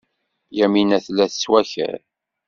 Yamina tella tettwakar.